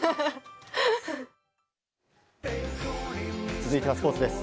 続いてはスポーツです。